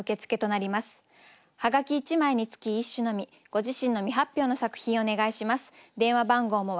ご自身の未発表の作品をお願いします。